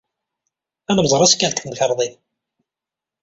Ad nemmẓer azekka, deg temkarḍit.